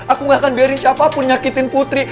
aku gak akan biarin siapapun nyakitin putri